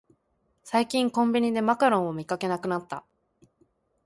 最近コンビニでマカロンを見かけなくなった